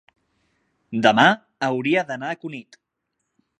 demà hauria d'anar a Cunit.